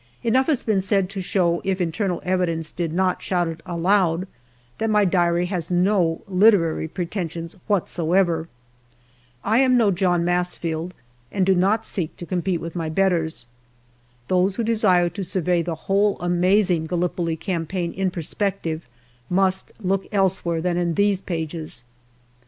Enough has been said to show, if internal evidence did not shout it aloud, that my diary has no literary preten sions whatsoever. I am no John Masefield, and do not 8 GALLIPOLI DIARY seek to compete with my betters. Those who desire to survey the whole amazing Gallipoli campaign in per spective must look elsewhere than in these pages.